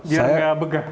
dia nggak begah